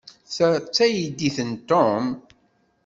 Ta d taydit n Tom?